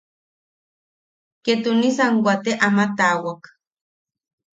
Ketunisan waate ama tawaak.